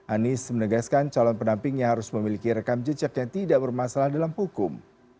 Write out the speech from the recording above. anies menegaskan calon pendampingnya harus memiliki rekam jejak yang tidak bermasalah dalam hukum